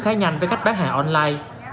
khá nhanh với cách bán hàng online